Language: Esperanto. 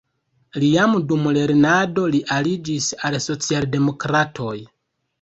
Li jam dum lernado li aliĝis al socialdemokratoj.